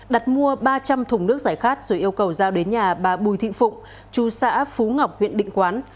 đặt mua ba trăm linh thùng nước giải khát rồi yêu cầu giao đến nhà bà bùi thị phụng chú xã phú ngọc huyện định quán